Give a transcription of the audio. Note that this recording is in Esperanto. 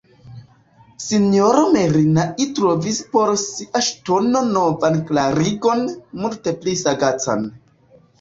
S-ro Merinai trovis por sia ŝtono novan klarigon, multe pli sagacan.